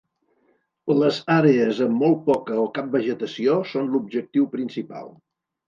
Les àrees amb molt poca o cap vegetació són l'objectiu principal.